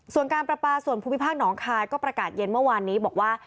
ส่วนการประปาส่วนภูมิภาคหนองคายก็ประกาศเย็นเมื่อวานนี้บอกว่า